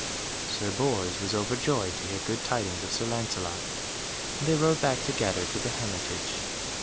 Sir Bors was overjoyed to hear good tidings of Sir Lancelot, and they rode back together to the hermitage.